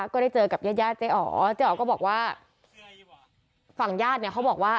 ก็ได้เจอกับญาติญาติเจ๊อ๋อเจ๊อ๋อก็บอกว่าฝั่งญาติเนี่ยเขาบอกว่า